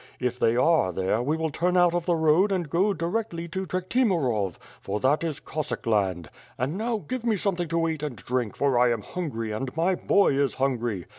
If they are there, we will turn out of the road and go directly to Trekhtimirov, for that is Cos sack land. And now, give me something to eat and drink for I am hungry, and my boy is hungry.